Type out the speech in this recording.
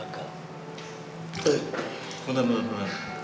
eh bentar bentar bentar